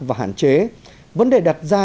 và hạn chế vấn đề đặt ra